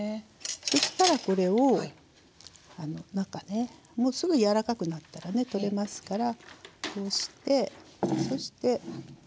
そしたらこれを中ねもうすぐ柔らかくなったらね取れますからこうしてそして。